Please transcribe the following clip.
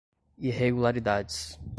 irregularidades